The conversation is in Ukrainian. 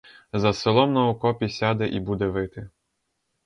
За селом на окопі сяде і буде вити.